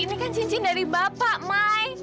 ini kan cincin dari bapak mai